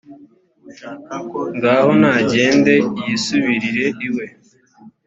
ngaho nagende yisubirire iwe,